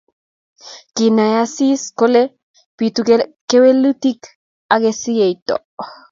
Kinai Asisi kole bitu kewelutik ak esioet